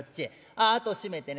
あああと閉めてね。